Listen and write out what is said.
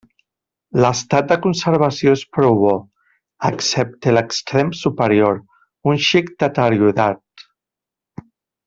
L'estat de conservació és prou bo, excepte l'extrem superior, un xic deteriorat.